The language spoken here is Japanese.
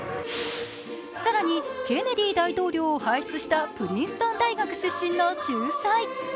更に、ケネディ大統領を輩出したプリンストン大学出身の秀才。